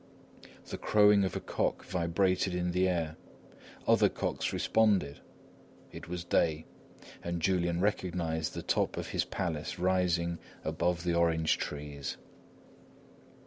The crowing of a cock vibrated in the air. Other cocks responded; it was day; and Julian recognised the top of his palace rising above the orange trees.